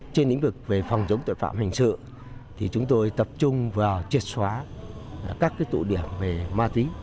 trên lĩnh vực về phòng chống tội phạm hình sự thì chúng tôi tập trung vào triệt xóa các tụ điểm về ma túy